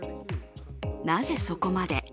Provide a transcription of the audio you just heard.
なぜ、そこまで。